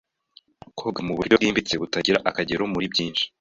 koga muburyo bwimbitse butagira akagero muri byinshi